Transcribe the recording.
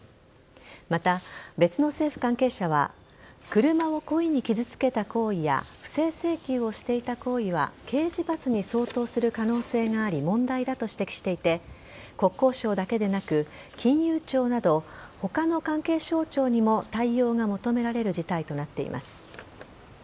また、別の政府関係者は車を故意に傷つけた行為や不正請求をしていた行為は刑事罰に相当する可能性があり問題だと指摘していて国交省だけでなく、金融庁など他の関係省庁にも、対応が求められる事態となっています。